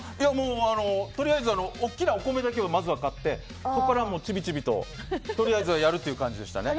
とりあえず大きなお米だけをまず買ってそこから、ちびちびとやるという感じでしたね。